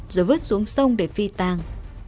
rồi vứt xuống sông để phi tàng